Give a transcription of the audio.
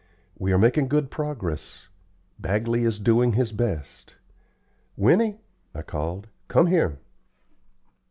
We are making good progress. Bagley is doing his best. Winnie," I called, "come here."